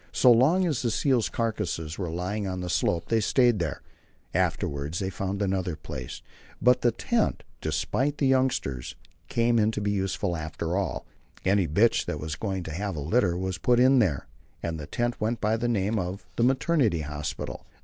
So long as the seals' carcasses were lying on the slope, they stayed there; afterwards they found another place. But the tent, despised by the youngsters, came in useful after all. Any bitch that was going to have a litter was put in there, and the tent went by the name of "the maternity hospital."